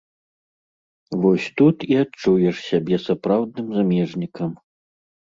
Вось тут і адчуеш сябе сапраўдным замежнікам.